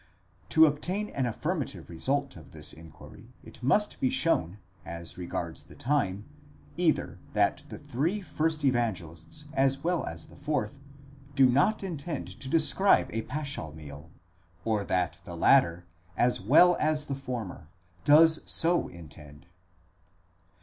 To obtain an affirmative result of this inquiry it must be shown, as regards the time, either that the three first Evangelists, as well as the fourth, do not intend to describe a paschal meal, or that the latter, as well as the former, does so in tend.